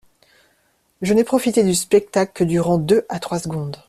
Je n’ai profité du spectacle que durant deux à trois secondes.